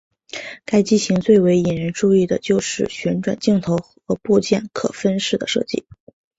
该机型最为引人注意的就是旋转镜头和部件可分式的设计。